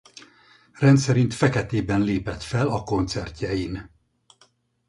Rendszerint feketében lépett fel a koncertjein.